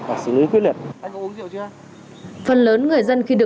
anh có thổi được đâu